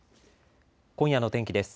今夜の天気です。